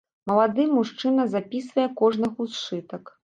Малады мужчына запісвае кожнага ў сшытак.